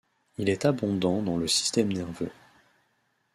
Il est abondant dans le système nerveux.